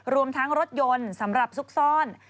รวมทั้งรถยนต์สำหรับซุกซ่อน